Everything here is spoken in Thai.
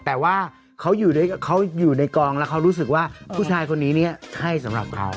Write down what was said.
แต่ว่าเขาอยู่ในกองแล้วเขารู้สึกว่าผู้ชายคนนี้ให้สำหรับเขา